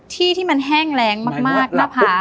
ที่ที่มันแห้งแรงมากหน้าผา